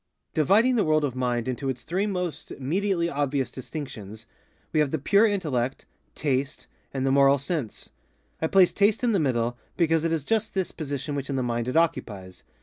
Dividing the world of mind into its three most immediately obvious distinctions, we have the Pure Intellect, Taste, and the Moral Sense. I place Taste in the middle, because it is just this position which in the mind it occupies.